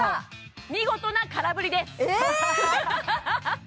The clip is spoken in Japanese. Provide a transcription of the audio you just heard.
見事な空振りですえーっ！